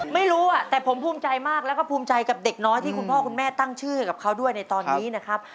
ไม่รู้แต่ผมภูมิใจมากแล้วก็ภูมิใจกับเด็กน้อยที่คุณพ่อคุณแม่ตั้งชื่อกับเขาด้วยในตอนนี้นะครับ